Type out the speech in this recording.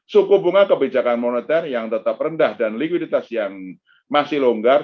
suku bunga kebijakan moneter yang tetap rendah dan likuiditas yang masih longgar